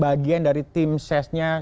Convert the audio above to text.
bagian dari tim sesnya